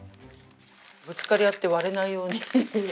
ぶつかり合って割れないように。